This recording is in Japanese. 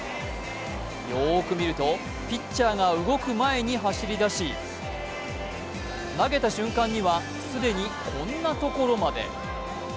よーく見ると、ピッチャーが動く前に走り出し、投げた瞬間には、既にこんなところまで。